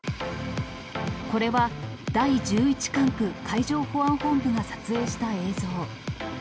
これは第１１管区海上保安本部が撮影した映像。